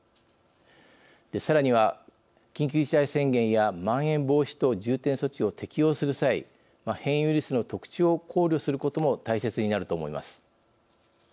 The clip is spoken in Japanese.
さらには緊急事態宣言やまん延防止等重点措置を適用する際変異ウイルスの特徴を考慮することも大切になると思います。